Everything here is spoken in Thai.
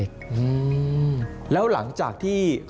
อ๋อออกไปอีก